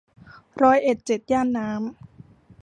ร้อยเอ็ดเจ็ดย่านน้ำ